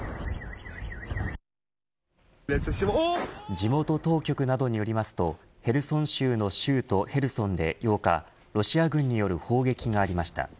地元当局などによりますとヘルソン州の州都ヘルソンで８日ロシア軍による砲撃がありました。